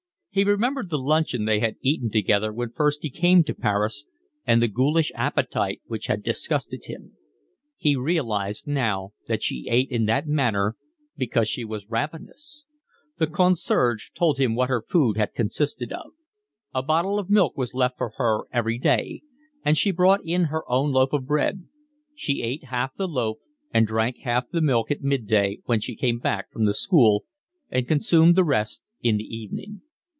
He remembered the luncheon they had eaten together when first he came to Paris and the ghoulish appetite which had disgusted him: he realised now that she ate in that manner because she was ravenous. The concierge told him what her food had consisted of. A bottle of milk was left for her every day and she brought in her own loaf of bread; she ate half the loaf and drank half the milk at mid day when she came back from the school, and consumed the rest in the evening.